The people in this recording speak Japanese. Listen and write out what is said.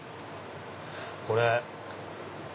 これ。